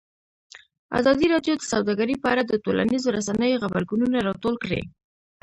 ازادي راډیو د سوداګري په اړه د ټولنیزو رسنیو غبرګونونه راټول کړي.